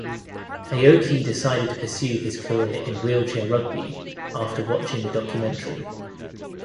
Aoki decided to pursue his career in wheelchair rugby after watching the documentary.